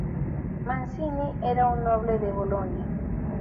Manzini era un noble de Bolonia.